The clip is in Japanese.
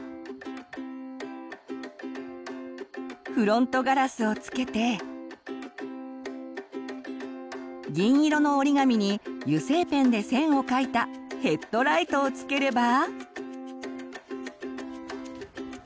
フロントガラスを付けて銀色の折り紙に油性ペンで線を描いたヘッドライトを付ければ。